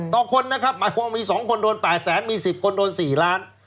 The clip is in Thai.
ต่อคนนะครับหมายความว่ามี๒คนโดน๘แสนมี๑๐คนโดน๔ล้าน